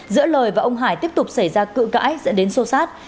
giữa lời và ông hải tiếp tục xảy ra cự cãi dẫn đến sô sát